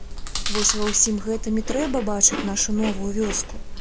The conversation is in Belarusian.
Вось ва ўсім гэтым і трэба бачыць нашу новую вёску.